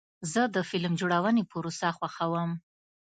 زه د فلم جوړونې پروسه خوښوم.